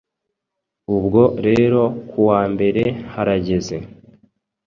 ubwo rero ku wambere harageze